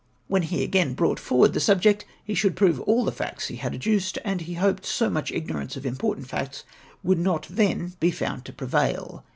! When he again brought forward the subject he should prove all the facts he had adduced, and he hoped so much ignorance of important facts would not then be found to prevail.